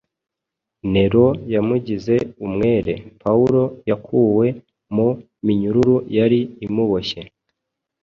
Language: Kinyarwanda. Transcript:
Nero yamugize umwere. Pawulo yakuwe mu minyururu yari imuboshye